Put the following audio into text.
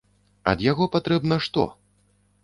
Ад яго патрэбна што?